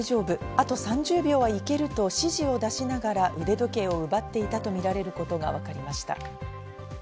あと３０秒はいけると指示を出しながら、腕時計を奪っていたとみられることがわかりました。